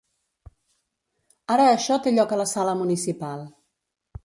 Ara això té lloc a la sala municipal.